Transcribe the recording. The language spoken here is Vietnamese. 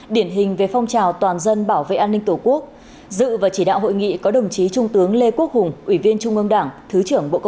điển hình về phong trào toàn dân bảo vệ an ninh tổ quốc dự và chỉ đạo hội nghị có đồng chí trung tướng lê quốc hùng ủy viên trung ương đảng thứ trưởng bộ công an